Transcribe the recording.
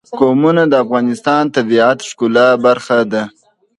قومونه د افغانستان د طبیعت د ښکلا برخه ده.